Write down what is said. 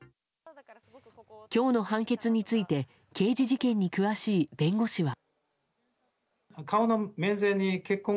今日の判決について刑事事件に詳しい弁護士は。